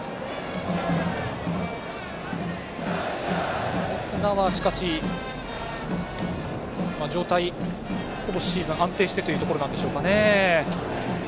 しかし、オスナは状態がほぼシーズン、安定してというところなんでしょうかね。